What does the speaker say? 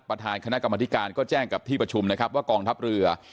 ประธานคณะกรรมธิการก็แจ้งกับที่ประชุมนะครับว่ากองทัพเรือ